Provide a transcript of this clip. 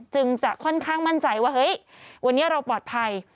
จึงจะค่อนข้างมั่นใจว่าเฮ้ยวันนี้เราปลอดภัย